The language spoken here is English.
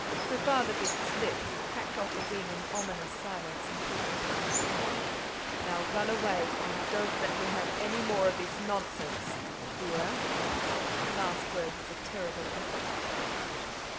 Her father bit his lip, hacked off a wing in ominous silence, and put it upon her plate. "Now run away, and don't let me have any more of this nonsense, dear." The last word was a terrible effort.